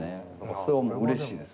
それはもううれしいです。